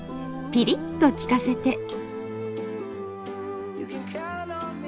ピリッと利かせて。